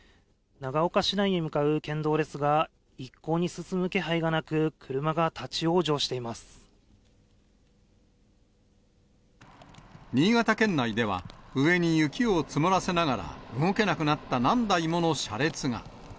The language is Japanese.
長岡市内へ向かう県道ですが、一向に進む気配がなく、新潟県内では、上に雪を積もらせながら動けなくなった何台もの車列が。